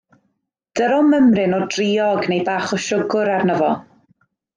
Dyro mymryn o driog neu bach o siwgr arno fo.